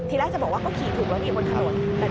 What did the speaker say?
ทีแรกจะบอกว่าเขาขี่ถูกรถอยู่บนถนน